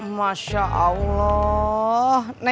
masya allah neng rika